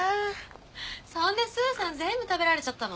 そんでスーさんに全部食べられちゃったの？